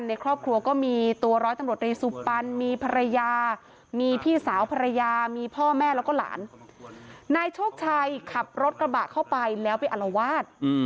นายโชคชัยขับรถกระบะเข้าไปแล้วไปอัลวาส